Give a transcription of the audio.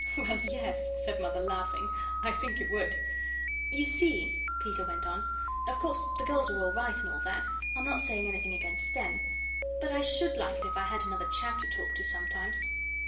"Well, yes," said Mother, laughing, "I think it would." "You see," Peter went on, "of course the girls are all right and all that I'm not saying anything against THEM. But I should like it if I had another chap to talk to sometimes."